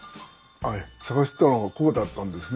あっ探してたのはここだったんですね。